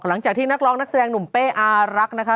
หลังจากที่นักร้องนักแสดงหนุ่มเป้อารักนะคะ